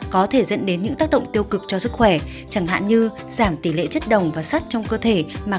có thể dẫn đến những tác động tiêu cực cho sức khỏe chẳng hạn như giảm tỷ lệ chất đồng và sắt trong cơ thể mà